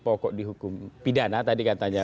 pokok dihukum pidana tadi katanya